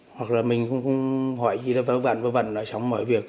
hoặc là mình cũng hỏi gì là vớ vẩn vớ vẩn